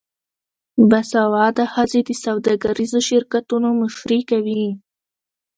باسواده ښځې د سوداګریزو شرکتونو مشري کوي.